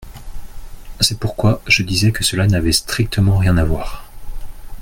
C’est pourquoi je disais que cela n’avait strictement rien à voir.